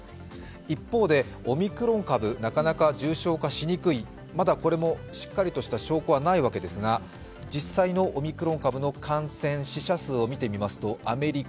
一方で、オミクロン株、なかなか重症化しにくい、まだこれもしっかりとし証拠はないわけですが実際のオミクロン株の感染死者数を見てみますとアメリカ